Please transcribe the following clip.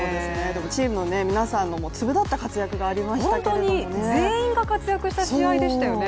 チームの皆さんの粒だった活躍がありましたけれども本当に全員が活躍した試合でしたよね。